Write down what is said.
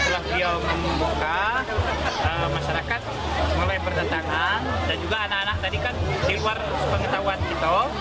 setelah beliau membuka masyarakat mulai berdatangan dan juga anak anak tadi kan di luar pengetahuan kita